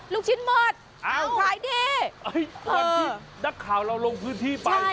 ลูกชิ้นหมดอ้าวขายดีวันที่นักข่าวเราลงพื้นที่ไป